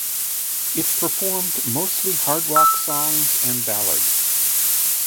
It performed mostly hard rock songs and ballads.